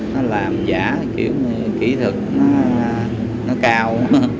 nó làm giả kiểu kỹ thực nó cao